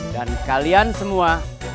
dan kalian semua